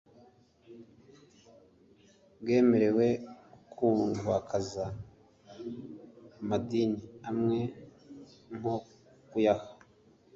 bwemerewe gukundwakaza amadini amwe nko kuyaha